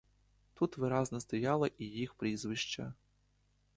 Там виразно стояло і їх прізвище.